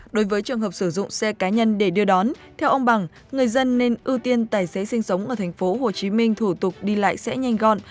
đối với trường hợp sử dụng xe cá nhân để đưa đón theo ông bằng người dân nên ưu tiên tài xế sinh sống ở thành phố hồ chí minh thủ tục đi lại sẽ nhanh gọn